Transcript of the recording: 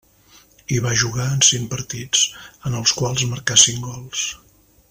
Hi va jugar en cinc partits, en els quals marcà cinc gols.